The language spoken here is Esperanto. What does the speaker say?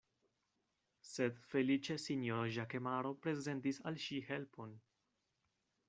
Sed feliĉe sinjoro Ĵakemaro prezentis al ŝi helpon.